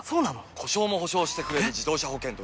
故障も補償してくれる自動車保険といえば？